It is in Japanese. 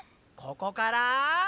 ここから。